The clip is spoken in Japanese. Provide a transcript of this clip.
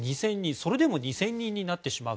それでも２０００人になってしまう。